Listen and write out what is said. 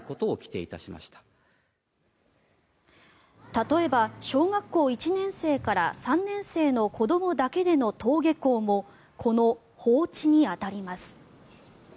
例えば、小学校１年生から３年生の子どもだけでの登下校もこの放置に当たります。